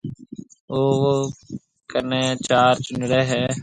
اوَي ڪنَي چار چونڙَي هيَ۔